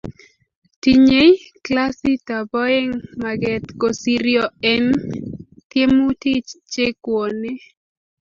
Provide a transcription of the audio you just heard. tinye klasit b oeng maket kosiryo en tiemutich che kwonee